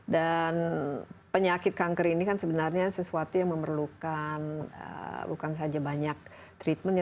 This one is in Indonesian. dan penyakit kanker ini kan sebenarnya sesuatu yang memerlukan bukan saja banyak treatmentnya